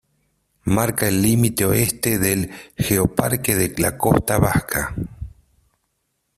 Marca el límite Oeste del Geoparque de la Costa Vasca.